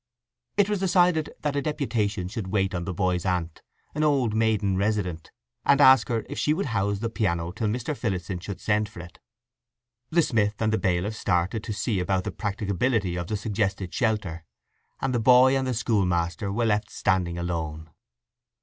It was decided that a deputation should wait on the boy's aunt—an old maiden resident—and ask her if she would house the piano till Mr. Phillotson should send for it. The smith and the bailiff started to see about the practicability of the suggested shelter, and the boy and the schoolmaster were left standing alone.